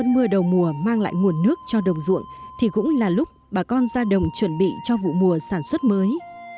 mưa đầu mùa mang lại nguồn nước cho đồng ruộng thì cũng là lúc bà con ra đồng chuẩn bị cho vụ mùa sản xuất mới